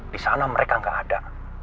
disana mereka gak ada